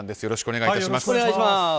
よろしくお願いします。